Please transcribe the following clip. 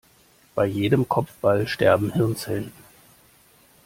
Bei jedem Kopfball sterben Hirnzellen.